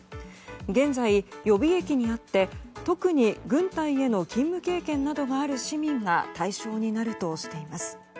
現在、予備役にあって特に軍隊への勤務経験などがある市民が対象になるとしています。